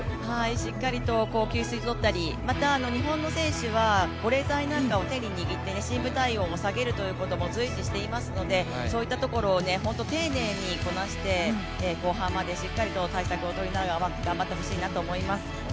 しっかりと給水をとったり日本の選手は保冷剤なんかを手に握って深部体温を下げるっていうことを随時しているので、そういったところを本当に丁寧にこなして、後半までしっかりと対策を取りながら頑張ってほしいなと思います。